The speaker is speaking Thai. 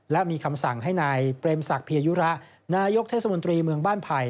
และมีคำสั่งให้นายเปรมศักดิยยุระนายกเทศมนตรีเมืองบ้านไผ่